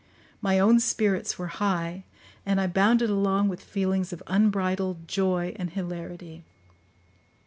My own spirits were high, and I bounded along with feelings of unbridled joy and hilarity.